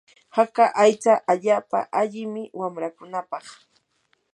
haka aycha allaapa allimi wanrakunapaq.